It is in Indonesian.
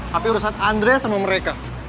tapi urusan andrea sama mereka